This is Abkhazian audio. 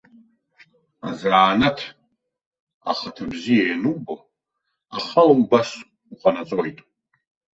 Азанааҭ ахаҭа бзиа ианубо, ахала убас уҟанаҵоит.